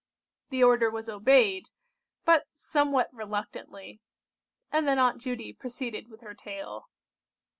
The order was obeyed, but somewhat reluctantly, and then Aunt Judy proceeded with her tale.